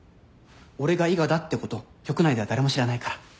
俺が伊賀だってこと局内では誰も知らないから。